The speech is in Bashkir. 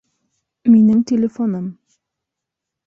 Минең телефоным..